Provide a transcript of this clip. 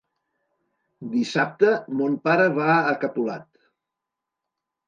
Dissabte mon pare va a Capolat.